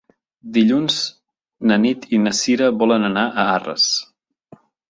Dilluns na Nit i na Cira volen anar a Arres.